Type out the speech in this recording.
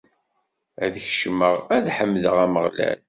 Ad kecmeɣ, ad ḥemdeɣ Ameɣlal.